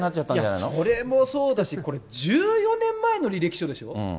いや、それもそうだし、これ、１４年前の履歴書でしょ。